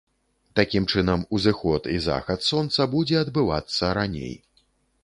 Такім чынам, узыход і захад сонца будзе адбывацца раней.